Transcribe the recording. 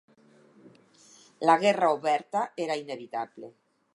La guerra oberta era inevitable.